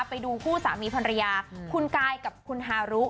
ไปดูคู่สามีภรรยาคุณกายกับคุณฮารุ